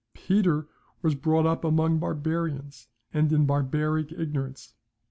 Peter was brought up among barbarians, and in barbaric ignorance.